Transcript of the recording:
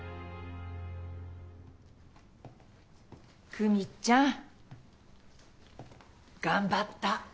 久実ちゃん頑張った。